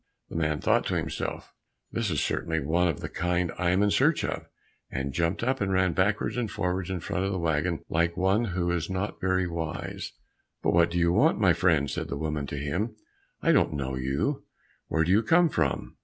The man thought to himself, "That is certainly one of the kind I am in search of," and jumped up and ran backwards and forwards in front of the waggon like one who is not very wise. "What do you want, my friend?" said the woman to him; "I don't know you, where do you come from?"